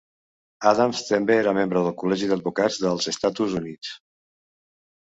Adams també era membre del Col·legi d'Advocats dels Estatus Units.